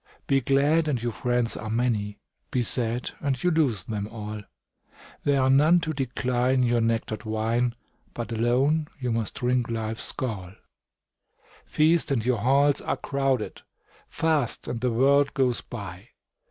Be glad, and your friends are many; Be sad, and you lose them all; There are none to decline your nectar'd wine, But alone you must drink life's gall. Feast, and your halls are crowded; Fast, and the world goes by.